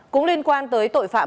cũng liên quan tới tội phạm